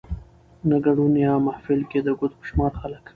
نه ګدون يا محفل کې د ګوتو په شمار خلک